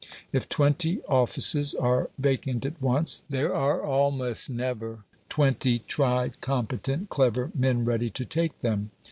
If twenty offices are vacant at once, there are almost never twenty tried, competent, clever men ready to take them.